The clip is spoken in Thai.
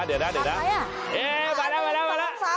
เฮ้ยไปแล้ว